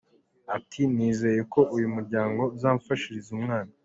Ati “Nizeye ko uyu muryango uzamfashiriza umwana.